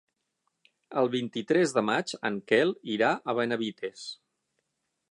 El vint-i-tres de maig en Quel irà a Benavites.